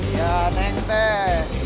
iya neng teh